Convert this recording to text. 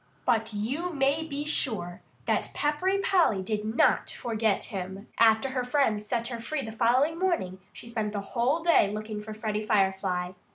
But you may be sure that Peppery Polly did not forget him. After her friends set her free the following morning she spent the whole day looking for Freddie Firefly.